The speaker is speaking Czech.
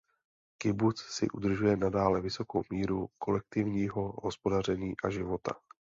Kibuc si udržuje nadále vysokou míru kolektivního hospodaření a života.